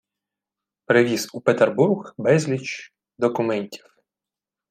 привіз у Петербург безліч… документів